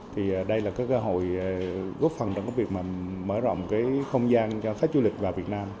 thì đây là cái cơ hội góp phần trong cái việc mà mở rộng cái không gian cho khách du lịch vào việt nam